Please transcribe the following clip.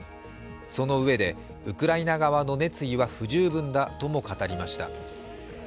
そのうえでウクライナ側の熱意は不十分だとも語りました。